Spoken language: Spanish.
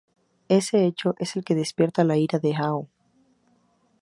Ese hecho es el que despierta la ira de Hao.